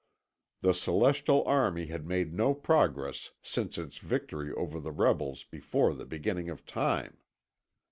The celestial army had made no progress since its victory over the rebels before the beginning of Time.